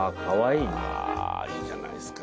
いいじゃないですか。